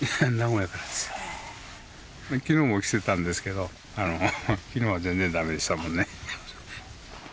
昨日も来てたんですけど昨日は全然ダメでしたもんね。